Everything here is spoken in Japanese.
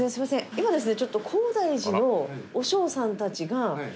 今ですね。